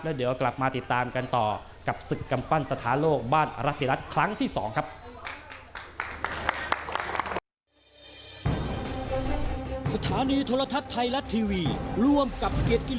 เดี๋ยวกลับมาติดตามกันต่อกับศึกกำปั้นสถานโลกบ้านอรติรัฐครั้งที่๒ครับ